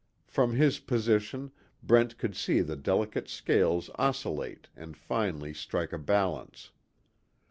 From his position Brent could see the delicate scales oscillate and finally strike a balance.